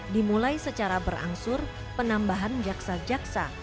dimulai secara berangsur penambahan jaksa jaksa